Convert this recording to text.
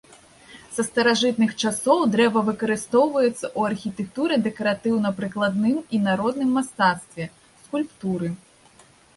Са старажытных часоў дрэва выкарыстоўваецца ў архітэктуры, дэкаратыўна-прыкладным і народным мастацтве, скульптуры.